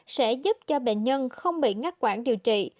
sẽ giúp cho bệnh nhân không bị ngắt quản điều trị